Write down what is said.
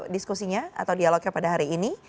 diskusinya atau dialognya pada hari ini